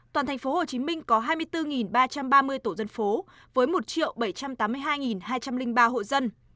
toàn thành phố hồ chí minh có hai mươi bốn ba trăm ba mươi tổ dân phố với một bảy trăm tám mươi hai hai trăm linh ba hộ dân